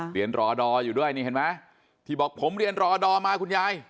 เรียนรอดออยู่ด้วยนี่เห็นไหมที่บอกผมเรียนรอดอมาคุณยาย